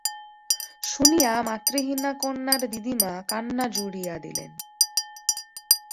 শুনিয়া মাতৃহীনা কন্যার দিদিমা কান্না জুড়িয়া দিলেন।